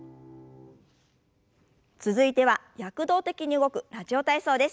続いては躍動的に動く「ラジオ体操」です。